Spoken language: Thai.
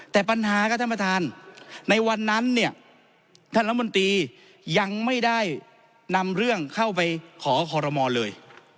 แต่ปัญหาครับท่านประธานในวันนั้นเนี่ยท่านรัฐมนตรียังไม่ได้นำเรื่องเข้าไปขอคอรมอลเลย